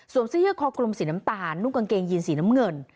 ส่วนสิ้นชื่อคอคลุมสีน้ำตาลนุ่มกางเกงยินสีน้ำเงิน